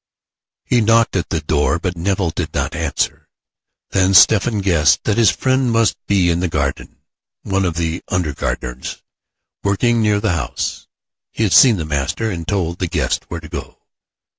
He knocked at the door, but Nevill did not answer. Then Stephen guessed that his friend must be in the garden. One of the under gardeners, working near the house, had seen the master, and told the guest where to go.